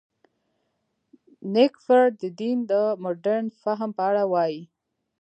نېکفر د دین د مډرن فهم په اړه وايي.